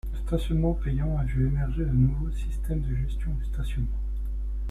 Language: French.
Le stationnement payant a vu émerger de nouveaux systèmes de gestion du stationnement.